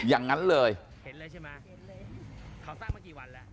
เห็นเลยใช่มั้ย